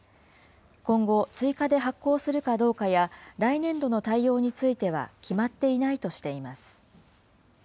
今後、追加で発行するかどうかや、来年度の対応については決まっていないとしています。